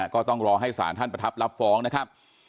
ก็ต้องรอให้สารท่านประทับรับฟ้องนะครับ